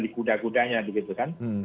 di kuda kudanya begitu kan